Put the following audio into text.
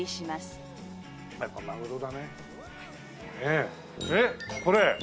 えっ？これ？